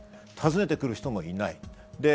訪ねてくる人もいない。